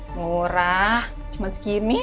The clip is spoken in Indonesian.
murah cuman segini